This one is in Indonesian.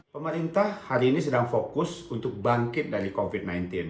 pemerintah hari ini sedang fokus untuk bangkit dari covid sembilan belas